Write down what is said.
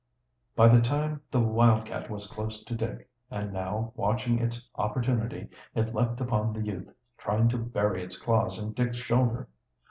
By this time the wildcat was close to Dick, and now, watching its opportunity, it leaped upon the youth, trying to bury its claws in Dick's shoulder.